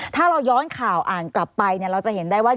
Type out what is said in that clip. ถ้าเราย้อนข่าวอ่านกลับไปเราจะเห็นได้ว่า